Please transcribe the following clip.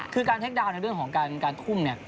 คือการเทคดาวน์ในเรื่องของการทุ่มเนี่ย